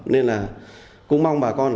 nên là cũng mong bà con